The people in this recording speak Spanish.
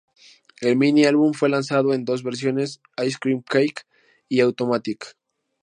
El mini-álbum fue lanzado en dos versiones, "Ice Cream Cake" y "Automatic".